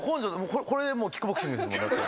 これでもうキックボクシングですもんだって。